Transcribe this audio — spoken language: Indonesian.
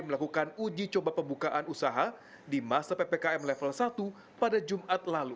melakukan uji coba pembukaan usaha di masa ppkm level satu pada jumat lalu